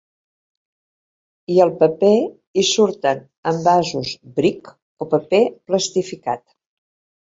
I al paper hi surten envasos bric o paper plastificat.